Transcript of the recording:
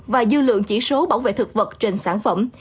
và dư lượng chỉ số bảo vệ thực vật trên sản phẩm